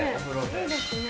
いいですね。